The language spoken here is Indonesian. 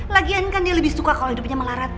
lagian kan dia lebih suka kalau hidupnya melarat